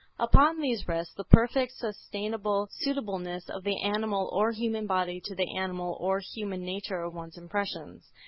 Upon these rests the perfect suitableness of the animal or human body to the animal or human nature of one's impressions.